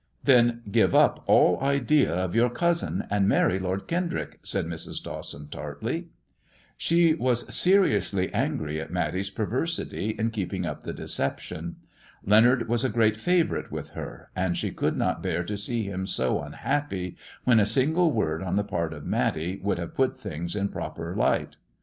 "" Then give up all idea of your cousin, and marry Lord Kendrick," said Mrs. Dawson, tartly. She was seriously angry at Matty's perversity in keeping up the deception. Leonard was a great favourite with her, and she could not bear to see him so unhappy, when a single word on the part of Matty would have put things in a proper light.